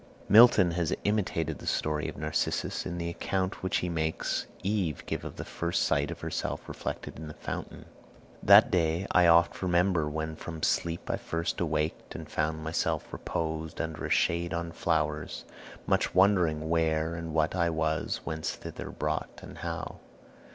Milton has imitated the story of Narcissus in the account which he makes Eve give of the first sight of herself reflected in the fountain: "That day I oft remember when from sleep I first awaked, and found myself reposed Under a shade on flowers, much wondering where And what I was, whence thither brought, and how.